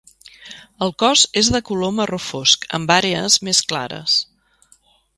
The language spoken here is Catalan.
El cos és de color marró fosc amb àrees més clares.